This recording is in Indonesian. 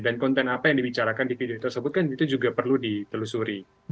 dan konten apa yang dibicarakan di video tersebut kan itu juga perlu ditelusuri